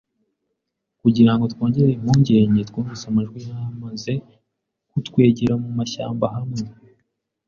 Kugirango twongere impungenge, twumvise amajwi yamaze kutwegera mumashyamba hamwe